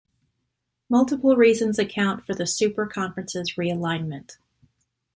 Multiple reasons account for the super conferences realignment.